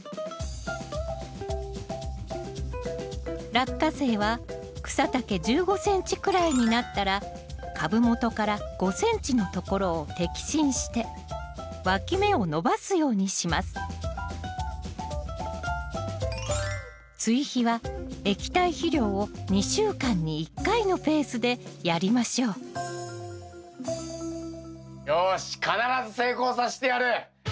ラッカセイは草丈１５ｃｍくらいになったら株元から５ｃｍのところを摘心してわき芽を伸ばすようにしますのペースでやりましょうよし必ず成功さしてやる！